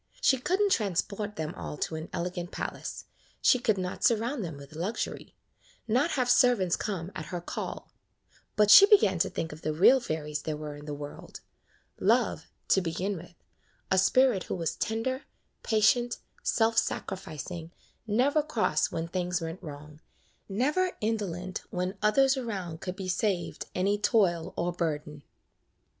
She could n't transport them all to an ele gant palace, she could not surround them with luxury, not have servants come at her call, but [ 40 ] KATHIE^S FAIRY LAND she began to think of the real fairies there were in the world — love, to begin with, a spirit who was tender, patient, self sacrificing, never cross when things went wrong, never indo " Kathie hated washing dishes" lent when others around could be saved any toil or burden.